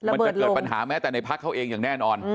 มันจะเกิดปัญหาแม้แต่ในพักเขาเองอย่างแน่นอน